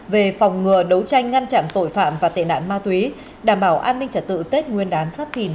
về phòng ngừa đấu tranh ngăn chặn tội phạm và tệ nạn ma túy đảm bảo an ninh trả tự tết nguyên đán sắp tìm hai nghìn hai mươi bốn